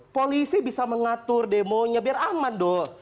polisi bisa mengatur demonya biar aman dong